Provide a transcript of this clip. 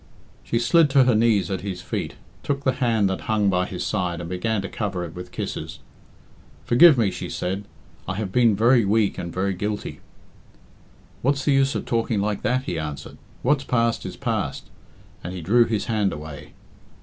She slid to her knees at his feet, took the hand that hung by his side and began to cover it with kisses. "Forgive me," she said; "I have been very weak and very guilty." "What's the use of talking like that?" he answered. "What's past is past," and he drew his hand away.